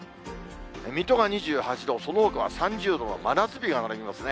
水戸が２８度、そのほかは３０度の真夏日が並びますね。